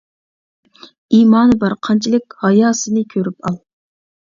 ئىمانى بار قانچىلىك، ھاياسىنى كۆرۈپ ئال.